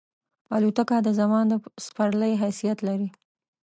الوتکه د زمان د سپرلۍ حیثیت لري.